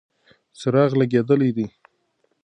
څراغ لګېدلی دی.